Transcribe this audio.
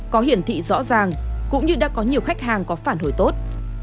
có hiển thị rõ ràng cũng như đã có nhiều khách hàng có phản hồi tốt